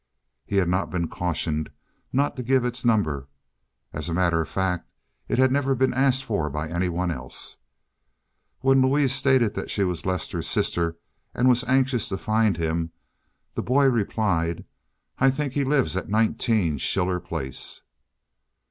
He had not been cautioned not to give its number—as a matter of fact, it had never been asked for by any one else. When Louise stated that she was Lester's sister, and was anxious to find him, the boy replied, "I think he lives at 19 Schiller Place."